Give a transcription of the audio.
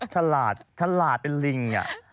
ฉลาดฉลาดเป็นลิง